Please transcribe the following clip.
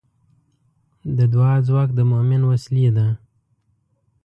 د دعا ځواک د مؤمن وسلې ده.